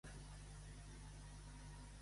Partir-se el cul.